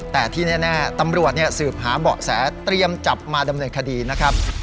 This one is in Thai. แต่ที่แน่ตำรวจสืบหาเบาะแสเตรียมจับมาดำเนินคดีนะครับ